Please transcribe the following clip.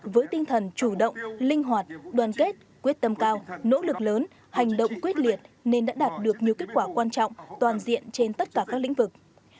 với tinh thần chủ động linh hoạt đoàn kết quyết tâm cao nỗ lực lớn hành động quyết liệt nên đã đạt được nhiều kết quả quan trọng toàn diện trên tất cả các lĩnh vực